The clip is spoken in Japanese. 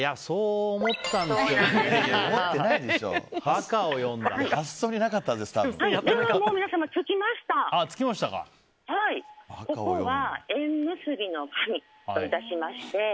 そう思ったんですよね。